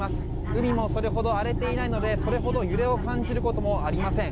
海もそれほど荒れていないのでそれほど揺れを感じることもありません。